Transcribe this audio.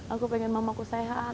aku pengen mamaku sehat